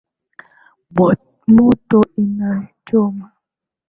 Moto unachoma